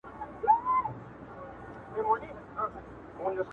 څه به وسېـــــــــــــځي په تا بانـدې تربـــــــــــــــور زړه